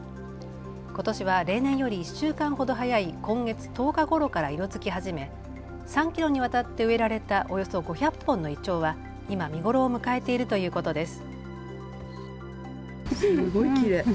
ことしは例年より１週間ほど早い今月１０日ごろから色づき始め３キロにわたって植えられたおよそ５００本のイチョウは今見頃を迎えているということです。